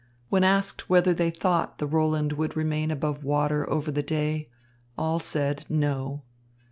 When asked whether they thought the Roland would remain above water over the day, all said "No."